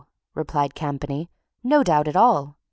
replied Campany. "No doubt at all.